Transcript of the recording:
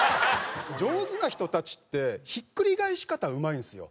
上手な人たちってひっくり返し方うまいんですよ